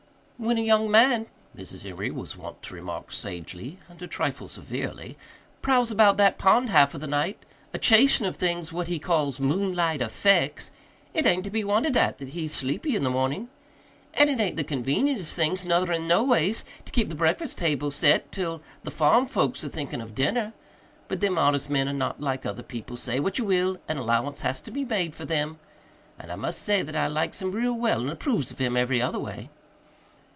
"When a young man," Mrs. Emory was wont to remark sagely and a trifle severely, "prowls about that pond half of the night, a chasing of things what he calls 'moonlight effecks,' it ain't to be wondered at that he's sleepy in the morning. And it ain't the convenientest thing, nuther and noways, to keep the breakfast table set till the farm folks are thinking of dinner. But them artist men are not like other people, say what you will, and allowance has to be made for them. And I must say that I likes him real well and approves of him every other way."